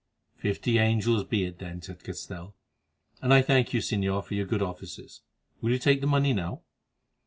"Fifty angels be it then," said Castell, "and I thank you, Señor, for your good offices. Will you take the money now?"